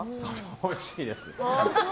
おいしいです。